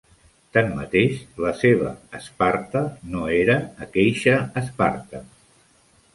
Tanmateix, "la seva" Esparta no era "aqueixa" Esparta.